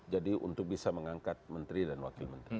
jadi untuk bisa mengangkat menteri dan wakil menteri